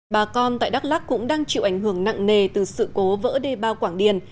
bà con tại đắk lắc cũng đang chịu ảnh hưởng nặng nề từ sự cố vỡ đê bao quảng điền